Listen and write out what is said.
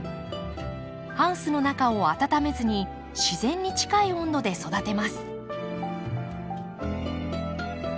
ハウスの中を温めずに自然に近い温度で育てます。